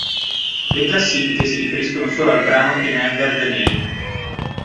Le classifiche si riferiscono solo al brano "Remember the Name".